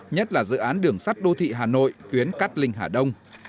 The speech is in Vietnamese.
nhất là dự án đường sắt đô thị hà nội tuyến cát linh hà đông